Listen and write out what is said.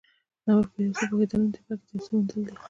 نوښت په یو څه پوهېدل نه دي، بلکې د یو څه موندل دي.